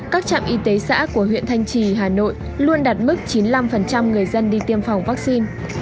các trạm y tế xã của huyện thanh trì hà nội luôn đạt mức chín mươi năm người dân đi tiêm phòng vaccine